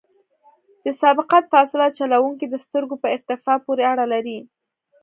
د سبقت فاصله د چلوونکي د سترګو په ارتفاع پورې اړه لري